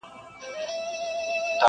طوطي نه وو یوه لویه ننداره وه٫